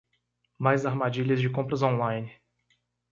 Mais armadilhas de compras online